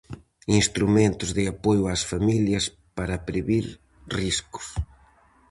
Instrumentos de apoio ás familias para previr riscos.